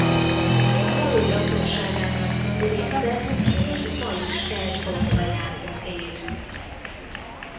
A falu lakosságának nagy része még ma is elszórt tanyákon él.